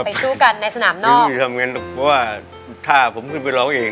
ไปทั่วกันในสถาน์นอกว่าถ้าผมคุยรั้วเอง